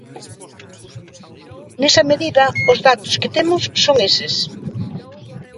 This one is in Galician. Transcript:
Nesa medida os datos que temos son eses.